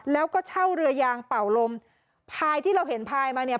แล้วก็เช่าเรือยางเป่าลมพายที่เราเห็นพายมาเนี่ย